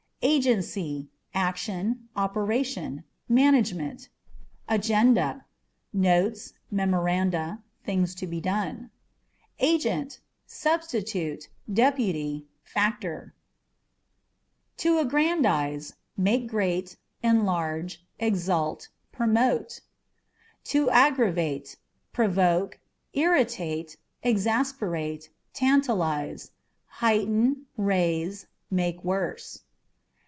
Agency â€" action, operation ; management. Agenda â€" notes, memoranda, things to be done. Agent â€" substitute, deputy, factor. AGGâ€" ALA. 9 To Aggrandize â€" make great, enlarge, exalt, promote. To Aggravate â€" provoke, irritate, exasperate, tantalize ; heighten, raise, make worse.